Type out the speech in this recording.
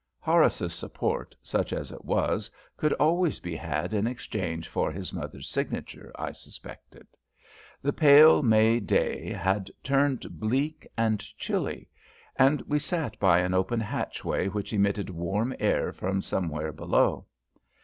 Horace's support, such as it was, could always be had in exchange for his mother's signature, I suspected. The pale May day had turned bleak and chilly, and we sat down by an open hatchway which emitted warm air from somewhere below.